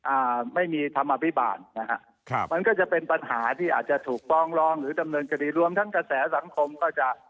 อ่าไม่มีธรรมอภิบาลนะฮะครับมันก็จะเป็นปัญหาที่อาจจะถูกฟ้องร้องหรือดำเนินคดีรวมทั้งกระแสสังคมก็จะ